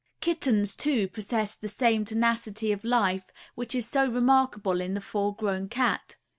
Kittens, too, possess the same tenacity of life which is so remarkable in the full grown cat.